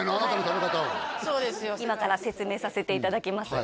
今から説明させていただきます